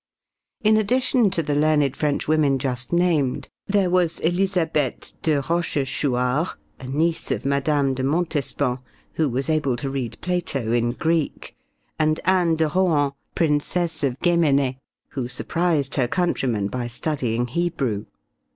In addition to the learned French women just named, there was Elisabeth de Rochechouart, a niece of Mme. de Montespan, who was able to read Plato in Greek, and Anne de Rohan, Princess of Guéméné, who surprised her countrymen by studying Hebrew.